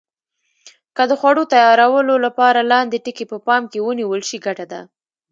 که د خوړو تیارولو لپاره لاندې ټکي په پام کې ونیول شي ګټه ده.